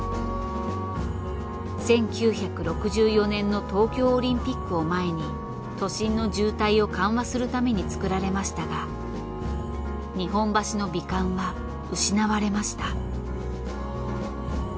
１９６４年の東京オリンピックを前に都心の渋滞を緩和するために造られましたが日本橋の美観は失われました。